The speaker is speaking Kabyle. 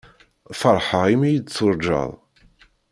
Feṛḥeɣ imi iyi-tuṛǧaḍ.